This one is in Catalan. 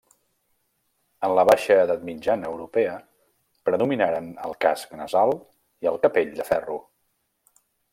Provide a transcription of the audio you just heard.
En la baixa edat mitjana europea predominaren el casc nasal i el capell de ferro.